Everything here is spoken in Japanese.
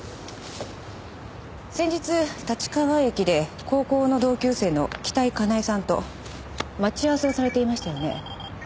先日立川駅で高校の同級生の北井佳苗さんと待ち合わせをされていましたよね？